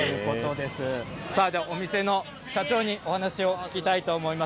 では、お店の社長にお話を聞きたいと思います。